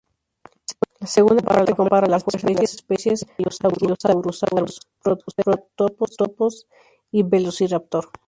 La segunda parte compara la fuerza de las especies "Ankylosaurus", "Tarbosaurus", "Protoceratops" y "Velociraptor".